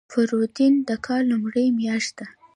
فروردین د کال لومړۍ میاشت ده.